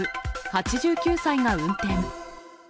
８９歳が運転。